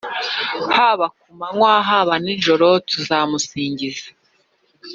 Haba kumanywa haba nijoro tuzamusingiza